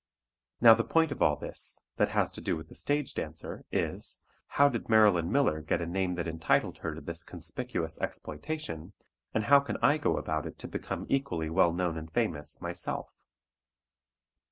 Now the point of all this, that has to do with the stage dancer, is, "How did Marilyn Miller get a name that entitled her to this conspicuous exploitation, and how can I go about it to become equally well known and famous, myself?"